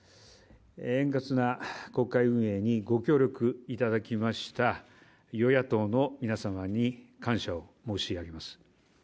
円滑な国会運営にご協力いただきました与野党の皆様に感謝を申し上げます。